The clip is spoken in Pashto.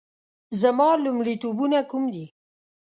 زما لومړیتوبونه کوم دي؟